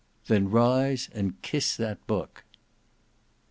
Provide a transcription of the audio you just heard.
"Then rise and kiss that book."